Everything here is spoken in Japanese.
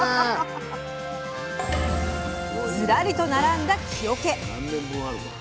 ズラリと並んだ木おけ。